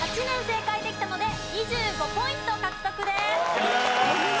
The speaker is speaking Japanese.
２８年正解できたので２５ポイント獲得です。